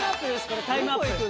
これタイムアップ。